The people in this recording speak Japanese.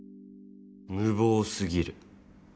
無謀過ぎる。